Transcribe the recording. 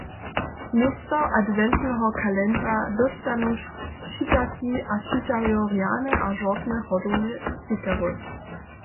Město adwentneho kalendra dóstanu čitarki a čitarjo rjane a žortne hodowne stikery.